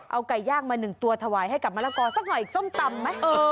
เอาไก่ย่างมา๑ตัวถวายให้กับมะละกอสักหน่อยส้มตำไหม